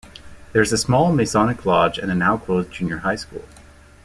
There is a small Masonic lodge and a now-closed junior high school.